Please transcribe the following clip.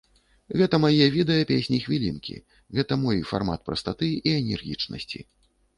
Гэта мае відэа-песні-хвілінкі, гэта мой фармат прастаты і энергічнасці.